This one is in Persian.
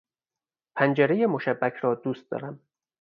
پنجره مشبک را دوست دارم